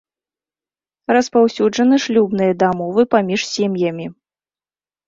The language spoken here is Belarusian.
Распаўсюджаны шлюбныя дамовы паміж сем'ямі.